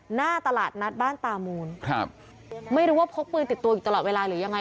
หน้าตลาดนัดบ้านตามูนครับไม่รู้ว่าพกปืนติดตัวอยู่ตลอดเวลาหรือยังไง